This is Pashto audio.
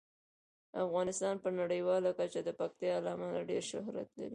افغانستان په نړیواله کچه د پکتیکا له امله ډیر شهرت لري.